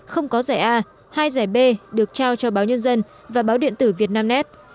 không có giải a hai giải b được trao cho báo nhân dân và báo điện tử việt nam nét